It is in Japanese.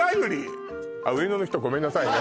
そうあ上野の人ごめんなさいね